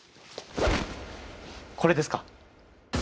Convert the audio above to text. これですか？